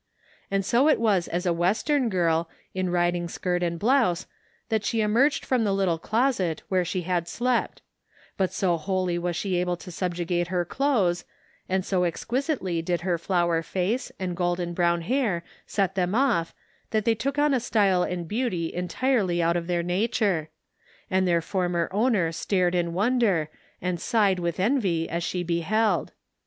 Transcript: And so it was as a Western girl, in riding skirt and blouse, that she emerged from the little closet where she had slept, but so wholly was she able to subjugate her clothes, and so exquisitely did her flower face and golden brown hair set them off that they took on a 69 THE FINDING OF JASPER HOLT style and beauty entirely out of their nature; and their former owner stared in wonder and sighed with envy as she beheld.